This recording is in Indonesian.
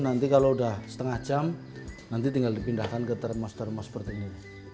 nanti kalau sudah setengah jam nanti tinggal dipindahkan ke termos termos seperti ini